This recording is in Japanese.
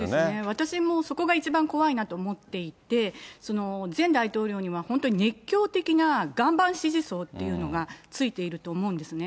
私もそこが一番怖いなと思っていて、前大統領には本当に熱狂的な岩盤支持層っていうのがついていると思うんですね。